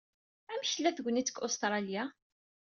Amek tella tegnit deg Ustṛalya?